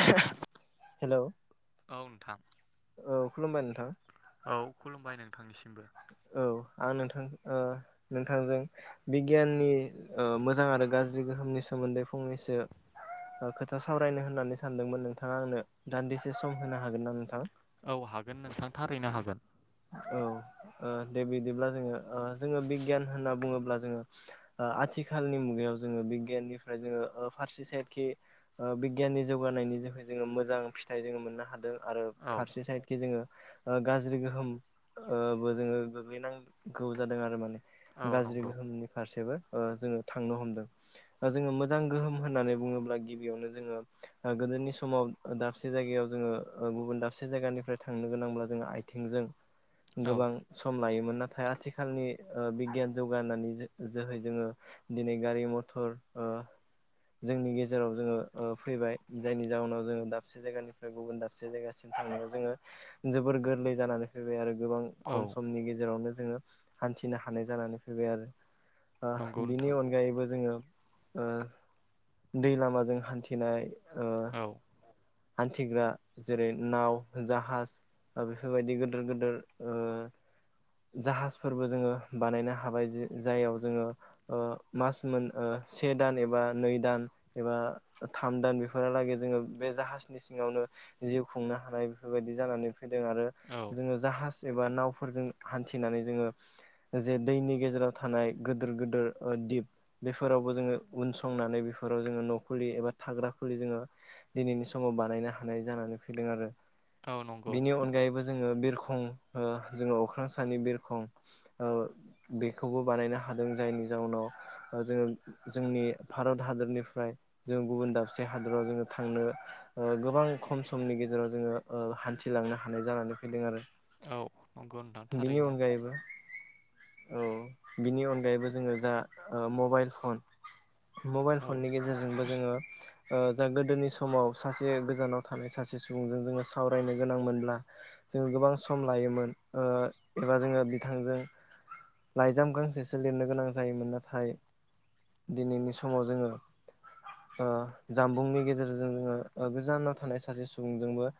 औ हेल'। औ नोंथां औ खुलुमबाय नोंथां। औ खुलुमबाय नों थांनिसै। औ। आं नोंथां नोंथांजों बिगियाननि मोजां आरो गाज्रि गोहोमनि सम सोमोन्दै फंनैसो खोथा सावरायनो होननानै सानदोंमोन नोंथाङा आंनो दान्दिसे सम होनो हागोन ना नोंथाङा? औ हागोन नोंथां थारैनो हागोन। औ ओ दे बिदिब्ला जोङो जोङो बिगियान होनना बुङोब्ला जोङो। आथिखालनि मुगायाव जोङो बिगियाननिफ्राय जोङो फारसे साइडखि बिगियाननि जौगानाय। जोङो मोजां फिथाइ जों मोननो हादों आरो औ फारसे साइड जोङो गाज्रि गोहोम बबो जोङो गोग्लैनांगौ जादों आरो माने औ गाज्रि नंगौ गोहोमनि फारसेबो जोङो थांनो हमदों जोङो मोजां गोहोम होननानै बुङोब्ला गिबियावनो जोङो। गोदोनि समाव दाबसे जायगायाव जोङो गुबुन दाबसे जायगानिफ्राय थांनो गोनांब्ला जोङो आथिंजों। औ गोबां सम लायोमोन। नाथाय आथिखालनि बिगियान जौगानि जोहै जोङो दिनै गारि मथर। ओ जोंनि गेजेराव जोङो फैबाय जायनि जाहोनाव जोङो दाबसे जायगानिफ्राय गुबुन दाबसे जायगासिम। थांनायाव जोङो जोबोर गोरलै जानानै फैबाय आरो गोबां औ खम समनि गेजेरावनो जोङो हान्थिनो हानाय जानानै फैबाय नंगौ आरो। बिनि नोंथां अनगायैबो जोङो ओ दै लामाजों हान्थिनाय ओ औ हान्थिग्रा जेरै नाव जाहाज बेफोरबायदि गिदिर गिदिर जाहाजफोरबो जोङो बानायनो हाबाय जाययाव जोङो मास मोन। से दान एबा नै दान एबा थाम दान बेफोरलागै जोङो बे जाह नि सिङावनो जिउ खुंनो हानाय बेफोरबायदि जानानै फैदों आरो औ जोङो जाह एबा नावफोरजों हान्थिनानै जोङो जे दैनि गेजेराव थानाय गिदिर गिदोर दिप बेफोरावबो जोङो उन संनानै बेफोराव जोङो न'खुलि एबा थाग्रा खुलि जोङो दिनैनि सम। समाव बानायनो हानाय जानानै फैदों आरो औ नंगौ बिनि अनगायैबो जोङो बिरखं जोङो अख्रां सानि बिरखं बेखौबो बानायनो हायो हादों जायनि जाउनाव जोङो जोंनि भारत हादरनिफ्राय जोङो गुबुन दाबसे हादराव जोङो थांनो। गोबां खम समनि गेजेराव जोङो हान्थिलांनो हानाय जानानै फैदों आरो। औ नंगौ नोंथां बिनि थारैनो अनगायैबो औ बिनि अनगायैबो जोङो जा मबाइल फन मबाइल औ फननि गेजेरजोंबो जोङो जा गोदोनि समाव सासे गोजानाव थानाय सासे सुबुंजों जोङो सावरायनो गोनां मोनब्ला जोङो गोबां सम लायोमोन एबा जोङो बिथांजों लाइजाम गांसेसो लिरनो गोनां जायोमोन नाथाय दिनैनि समाव जोङो जामबुंनि गेजेरजों जोङो गोजानाव थानाय सासे सुबुंजोंबो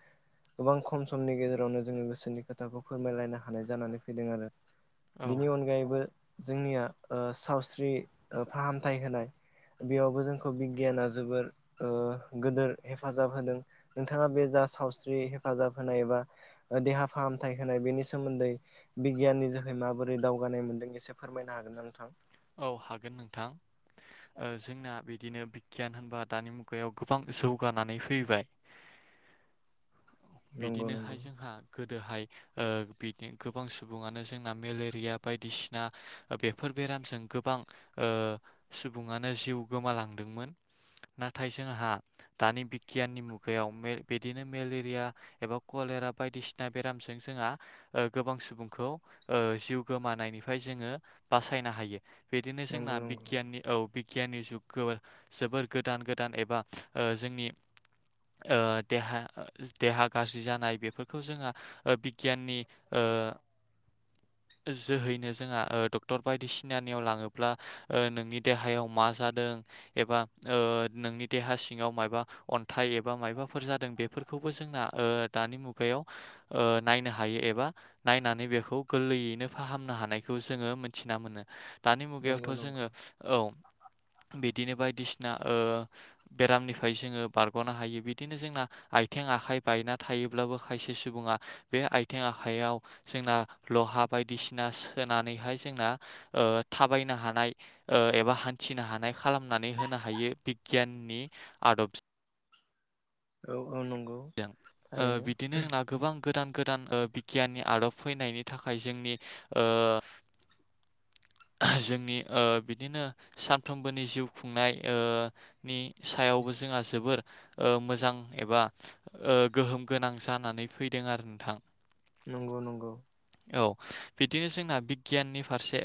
गोबां खम समनि गेजेरावनो जोङो गोसोनि खोथाखौ फोरमायलायनो हानाय जानानै फैदों आरो औ बिनि अनगायैबो जोंनिया सावस्रि फाहामथाय होनाय बेयावबो जोंखौ बिगियाना जोबोर गोदोर हेफाजाब होदों नोंथाङा बे सावस्रि हेफाजाब होनाय एबा देहा फाहामथाय होनाय बेनि सोमोन्दै बिगियाननि जोैहै बोरै दावगानाय मोनदों एसे फोरमायनो हागोन ना नोंथां औ हागोन नोंथां जोंना बिदिनो गियान होनबा दानि मुगायाव गोबां जौगानानै फैबाय नंगौ बिदिनोहाय नंगौ जोंहा दोहाय बि गोबां सुबुङानो जोंना मेलेरिया बायदिसिना बेफोर बेरामजों गोबां सुबुङानो जिउ गोमालांदोंमोन नाथाय जोंहा दानि बिगियाननि मुगायाव बिदिनो मेलेरिया एबा कल लेरा बायदिसिना बेरामजों जोंहा गोबां सुबुंखौ जिउ गोमानायनिफ्राय जोङो बासायनो हायो बिदिनो नंगौ जोंनानि नंगौ बिगियाननि गियाननि जुग जोबोर गोदान गोदान एबा जोंनि देहा देहा गाज्रि जानाय बेफोरखौ जोंहा बिगियाननि [inaudible] जोहैनो जोंहा डक्टर बायदिसिनानि याव लांनोबोला नोंनि देहायाव मा जादों एबा ओ नोंनि देहा सिंवाव माबबा अन्थाइ एबा माबबाफोर जादों बेफोरखौबो जोंना दानि मुगायाव नायनो हायो एबा नायनानै बेखौ गोरलैयैनो फाहामनो हानायखौ जोङो मोनथि दानि मुगायावथ' नंगौ नंगौ जोङो औ बिदिनो सिना बेरामनिफ्राय जोङो बारग'नो हायो बिदिनो जोंना आथिं आखाइ बायना थायो खायसे सुबुंआ आथिं आखायाव लहा बायदिसिना सोना नानैहाय जोंना थाबायनो हानाय एबा हान्थिनो हानाय खालामनानै होनो हायो बिगियाननि आदब औ औ नंगौ थारैनो बिदिनो जोंना गोबां गोदान गोदान बिगियाननि आदब फैनायनि थाखाय जोंनि [inaudible] जोंनि बिदिनो सानफ्रोमबोनि जिउ खुंनाय नि सायावबो जोंहा जोबोर मोजां एबा गोहोम गोनां जानानै फैदों आरो नोंथां नंगौ नंगौ औ बिदिनो जोंना बिगियाननि फारसे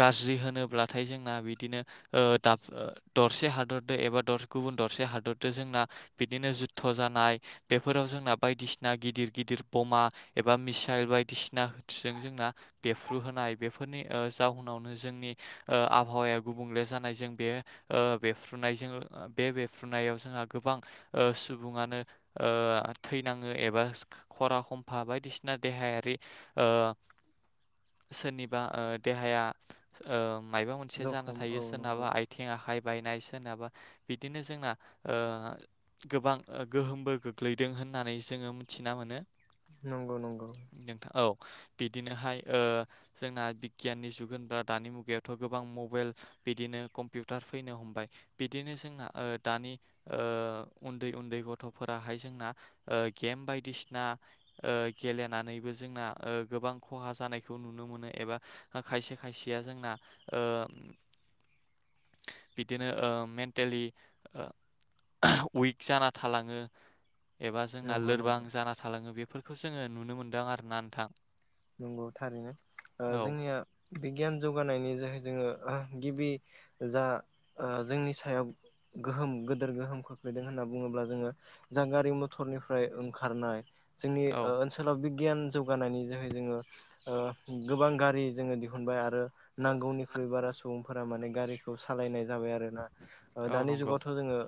गाज्रि होनोब्लाथाय जोंना बिदि बिदिनो दरसे हादरजों एबा गुबुन दरसे हादरजों जोंना बिदिनो जो स्थ' जानाय बेफोराव जोंना बायदिसिना गिदिर गिदिर बमा एबा मिसाइल बायदिसिना जों जोंना बेफ्र्रु होनाय बेफोरनि जाहोनावनो जोंनि आबहावाया गुबुं जफ्रुनायफ्रुनाय जोंहा गोबां सुबुङनो थैनाङो एबा खरा खमफा बायदिसिना देहायारि ओ [inaudible] सोरनिबा देहाया मायबा मोनसे जाना जखम औ थायो सोरनाबा नंगौ आथिं आखाइ बायनाय सोरनाबा बिदिनो जोंना गोबां गोहोमबो गोग्लैदों होननानै जोङो मिथिना मोनो नंगौ नंगौ नोंथां औ बिदिनोहाय जोंना बिगियाननि जुगुनफोरा्रा दानि मुगायावथ' गोबां मबाइल बिदिनो कम्पिउटार फैनो हमबाय बिदिनो जोंना दानि उन्दै उन्दै गथ'फोराहाय जोंना गेम बायदिसिना गेलेनानैबो जोंना गोबां खहा जानायखौ नुनो मोनो एबा खायसे खायसेया जोंना [inaudible] बिदिनो मेन्टेलि उइक जानानै थालाङो एबा जोंना नंगौ नंगौ लोरबां जाना थालाङो बे बेफोरखौ जोङो नुनो मोनदों आरोना नोंथां नंगौ थारैनो औ जोंनिया बिगियान जौगानायनि जोहै जोङो गिबि जा जोंनि सायाव गोहोम गोदोर गोहोम खोख्लैदों होननानै होनना बुङोब्ला जोङो जा गारि मथरनिफ्राय ओंखारनाय जोंनि औ ओनसोलाव बिगियान जौगानायनि जोहै जोङो ओ गोबां गारि जोङो दिहुनबाय आरो नांगौनिख्रुबारास सुबुंफोरा माने गारिखौ सालायनाय जाबाय आरोना औ दानि नंगौ जुगावथ' जोङो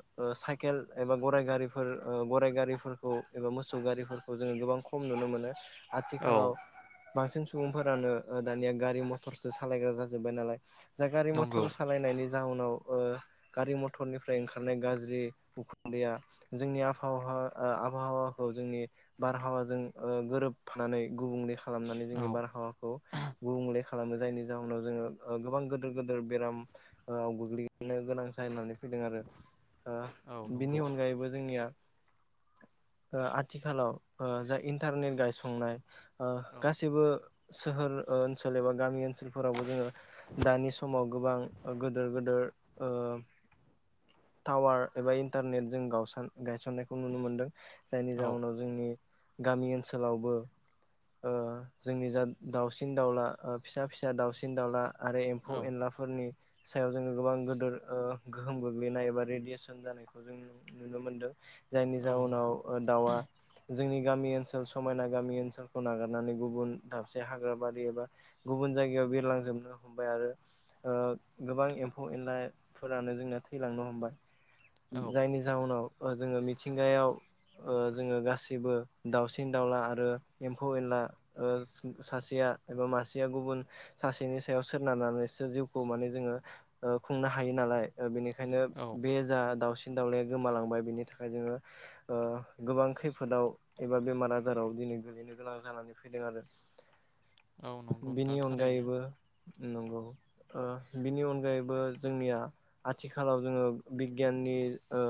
साइकेल एबा गाइ गारि गराइ गारिफोरखौ एबा मोसौ गारिफोरखौ जोङो गोबां खम नुनो मोनो औ आथिखालाव बांसिन सुबुंफोरानो दानिया गारि मथरसो सालायग्रा जाजोब्बाय नालाय दा गारि मथर नंगौ सालायनायनि जााहनाव गारि मथरनिफ्राय ओंखारनाय गाज्रि उखुन्दैया जोंनि आबहावा आबहावाखौ जोंनि बारहावाजों गोरोबफानानै गुबुंले खालामनानै जोंनि औ बारहावाखौ गुबुंले खालामो जायनि जाहोनाव जोङो गोबां गिदिर गिदेर बेरामव गोग्लैनो गोनां जायो होननानै फैदों आरो औ बिनि नंगौ अनगायैबो जोंनिया आथिखालाव जााय इन्टारनेट गायसंनाय औ गासैबो सोहोर ओनसोल एबा गामि ओनसोलफोरावबो जोङो दानि समाव गोबां गोदोर गोदोर टावार एबा इन्टारनेट जों गावा गायसननायखौ नुनो मोनदों जायनि औ जाहोनाव जोंनि गामि ओनसोलावबो जोंनि जा दाउसिन दाउला फिसा फिसा दाउसिन दाउला आरो औ एम्फौ एनलाफोरनि सायाव जोङो गोबां गोदोर गोहोम गोग्लैनाय एबा रेडियेसन जानायखौ जों नुनो मोनदों जायनि औ नंगौ जाउनाव दाउआ जोंनि गामि ओनसोल समायना गामि ओनसोल खौ नागारनानै गुबुन दाबसे हाग्रा बारि एबा गुबुन जायगायाव बिरलांजोबनो हमबाय आरो गोबां एम्फौ एनलाफोरानो जोंना थैलांनो हमबाय औ जायनि जाहनाव जोङो मिथिंगायाव जोङो गासिबो दाावसिन दाावला आरो एम्फौ एनला सासेया एबा मासेया गुबुन सासेनि सायाव सनारनानै खौ मान जोङो खुंनो हायो नालाय बेनिखायनो औ बे जा दा न दाउनायाया गोमालांबाय बिनि थाखाय जोङो गोबां खैफोदाव एबा बेमार आजाराव दिनै गोलैनो गोनां जानानै फैदों आरो औ नंगौ बिनि नोंथां थारैनो अनगायैबो नंगौ बिनि अनगायैबो जोंनिया आथिखालाव जोङो बिगियान गि ओ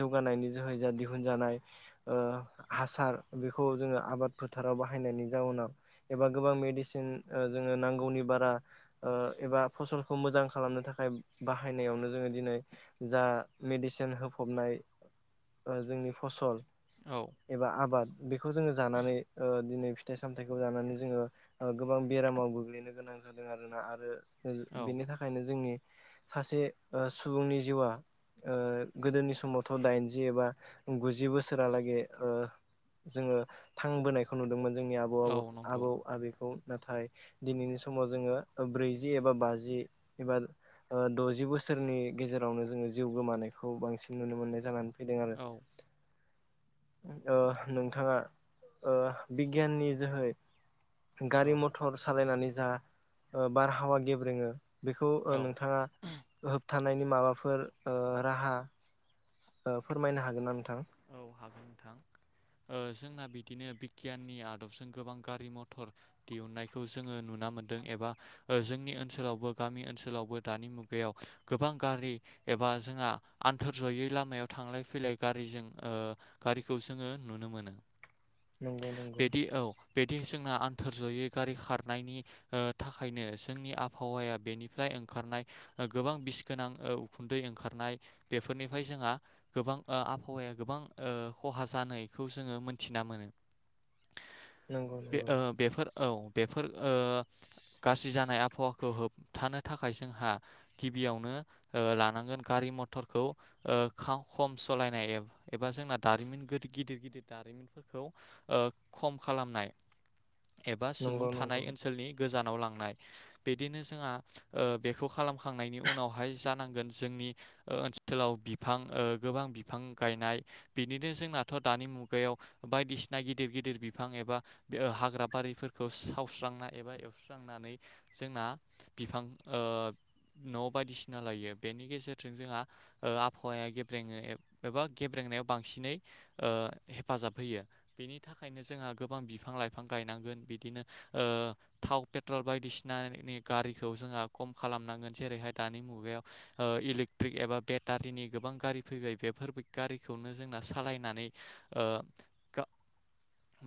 जौगानायनि जोहै जा दिहुनजानाय हासार बेखौ जोङो आबाद फोथाराव बाहायनायनि जाउनाव एबा गोबां मेडिसिन जोङो नांगौनि बा फ मोजांनो थाखाय बाहायनायावनो जोङो दिनै जा मेडिसिन होफबनाय जोंनि फसल औ एबा आबाद बेखौ जोङो जानानै दिनै फिथाइ सामथायाइखौ जानानै जोङो गोबां बेरामाव गोग्लैनो गोनां जादों आरोोना आरो औ बेनि थाखायनो जोंनि सासे सुबुंनि जिउआ गोदोनि समावथ' दाइनजि एबा गुजि बोसोरालागै जोङो थांबोनायखौ नुदोंमोन जोंनि आबौ आबौ औ नंगौ आबौ आबौखौ नाथाय दिनैनि समाव जोङो ब्रैजि एबा बाजि एबा द जि बोसोरनि गेजेरावनो जोङो जिउ गोमानायखौ बांसिन नुनो मोननाय जानानै फैदों आरो औ नोंथाङा बिगियाननि जोहै गारि औ मथर सालायनानै जा बारहावा गेब्रेङो बेखौ औ नोंथाङा होबथानायनि माबाफोर राहा फोरमायनो हागोन ना नोंथां हागोन नोंथां जोंना बिदिनो बिगियाननि आदबजों गोबां गारि मथर दिहुनन्नायखौ जोङो नुनानै मोनदों एबा जोंनि ओनसोलावबो गामि ओनसोलावबो दानि मुगायाव गोबां गारि एबा जोंहा आन्थोर जयै लामायाव थांलाय फैलाय गारिजों गारिखौ जोङो नुनो मोनो नंगौ नंगौ बिदि औ बिदि जोंना आन्थोर जयै गारि खारनायनि थाखायनो जोंनि आबहावाया बेनिफ्राय ओंखारनाय गोबां बिस गोनां उखुन्दै ओंखारनाय बेफोरनिफ्राय जोंहा गोबां आबहावाया गोबां खहा जानायखौ जोङो मोनथिना मोनो नंगौ बे नंगौ बेफोर औ बेफोर गाज्रि जानाय आबहावाखौ होबथानो थाखाय जोंहा गिबियावनो लानांगोन गारि मटरखौ खम सालायनाय एबा एबा जोंना दारिमिन गिदिर गिदिर दारिमिनफोरखौ खम खालामनाय एबा सुबुं नंगौ थानाय नंगौ ओनसोलनि गोजानाव लांनाय बिदिनो जोंहा बेखौ खालाम खांनायनि उनावहाय जानांगौ जोंनि ओनसोलाव बिफां गोबां बिफां गायनाय बिदिनो जोंनाथ' दानि मुगायाव बायदिसिना गिदिर गिदिर बिफां एबा हाग्रा बारि दैफोरखौ सावस्रांना एबा एवस्रांनानै जोंना बिफां न' बायदिसिना लायो बेनि गेजेरजों जोंहा आबहावाया गेब्रेङो एबा फोरोंनायाव बांसिनै हेफाजाब होयो बेनि थाखायनो जोंहा गोबां बिफां लाइफां गायनानै बिनो थाव पेट्रल बायदिसिनानि गारिखौ जोंहा खम खालामनांगोन जेरैहाय दानि मुगायाव इलेकट्रिक एबा बेटारिनि गोबां गारि फैबाय बेफोर गारिखौनो जोंना सालायनानै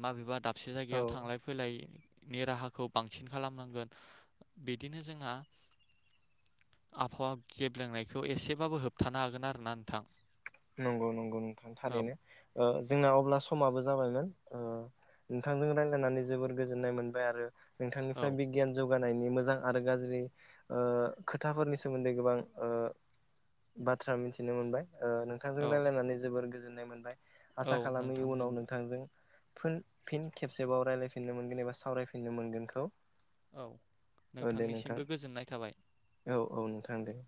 माबेबा दाब खसे औ जायगायाव थांलाय फैलाय नि राहाखौ बांसिन खालामनांगोन बिदिनो जोंहा आबहावा गेबेंनायखौ एसेबाबो होबथानो हागोन आरोोना नोंथां नंगौ नंगौ नोंथां औ थारैनो जोंना अब्ला समाबो जाबायमोन नोंथांजों रायलायनानै जोबोर गोजोननाय मोनबाय आरो औ नोंथांनिफ्राय बिगियान जौग जौगानायनि मोजां आरो गाज्रि खोथाफोरनि सोमोन्दै गोबां बाथ्रा मिथिनो मोनबाय नोंथांजों औ रायजलायनानै जोबोर गोजोननाय मोनबाय औ आसा खालामो इयुनाव नोंथांजोंबो नोंथांजों फिन फिन खेबसेबाव रायलायफिननो मोनगोन एबा सावरायफिननो मोनगोनखौ औ औ दे नोंथां नोंथांनिसिमबो गोजोननाय थाबाय औ औ नोंथां दे